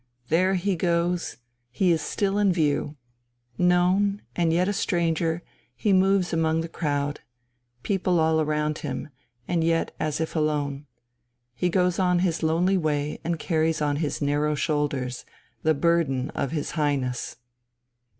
There he goes, he is still in view. Known and yet a stranger, he moves among the crowd people all around him, and yet as if alone. He goes on his lonely way and carries on his narrow shoulders the burden of his Highness!